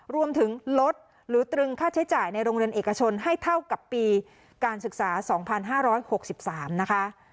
รวมถึงลดหรือตรึงค่าใช้จ่ายในโรงเรียนเอกชนให้เท่ากับปีการศึกษา๒๕๖๓นะคะ